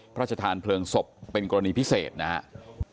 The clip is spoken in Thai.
พระราชทานเพลิงศพเป็นกรณีพิเศษนะครับ